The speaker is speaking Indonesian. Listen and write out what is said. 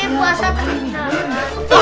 ini puasa terakhir